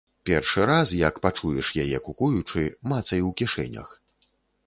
Першы раз, як пачуеш яе кукуючы, мацай у кішэнях.